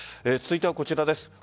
続いてはこちらです。